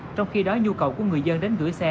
trong khi đó nhu cầu của người dân đến gửi xe